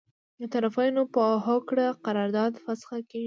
د طرفینو په هوکړه قرارداد فسخه کیږي.